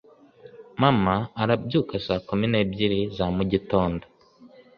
Mama arabyuka saa kumi n'ebyiri za mu gitondo.